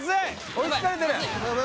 追いつかれてる。